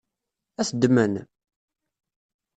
Ad t-ddmen?